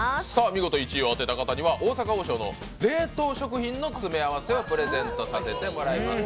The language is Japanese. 見事１位を当てた方には大阪王将の冷凍食品の詰め合わせをプレゼントさせていただきます。